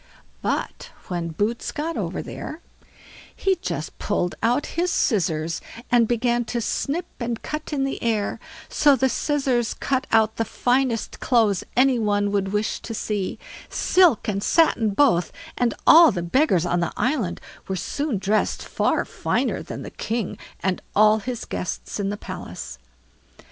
But when Boots got over there, he just pulled out his scissors and began to snip and cut in the air; so the scissors cut out the finest clothes any one would wish to see; silk and satin both, and all the beggars on the island were soon dressed far finer than the king and all his guests in the palace.